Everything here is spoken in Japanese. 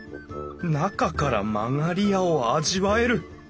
中から曲り家を味わえる。